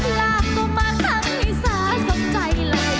ล้างตัวมาทำให้สาสมใจเลย